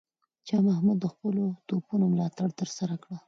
شاه محمود د خپلو توپونو ملاتړ ترلاسه کړ.